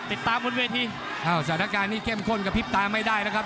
ติดตามบนเวทีอ้าวสถานการณ์นี้เข้มข้นกระพริบตาไม่ได้นะครับ